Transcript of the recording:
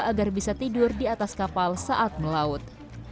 agar bisa tidur di atas kapal saat melaut